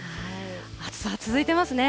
暑さは続いてますね。